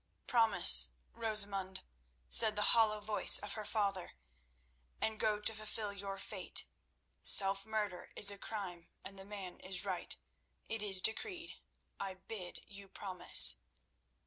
"Promise, Rosamund," said the hollow voice of her father, "and go to fulfil your fate. Self murder is a crime, and the man is right; it is decreed. I bid you promise."